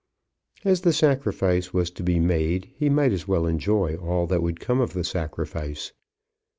As the sacrifice was to be made he might as well enjoy all that would come of the sacrifice.